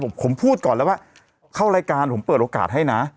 ผมพูดก่อนแล้วว่าเข้ารายการผมเปิดโอกาสให้นะ